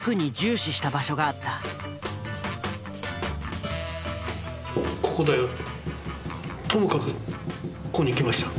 ここだよともかくここに行きました。